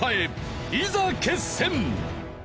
いざ決戦！